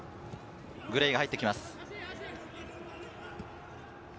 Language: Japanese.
グレイが入ってきます。